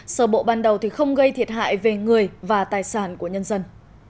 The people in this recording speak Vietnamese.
sở bộ ban đầu thì không gây thiệt hại về người và tài sản của nhân dân